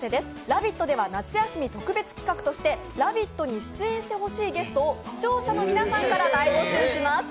「ラヴィット！」では夏休み特別企画として「ラヴィット！」に出演してほしいゲストを視聴者の皆さんから大募集します。